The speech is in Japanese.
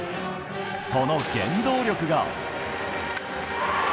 その原動力が。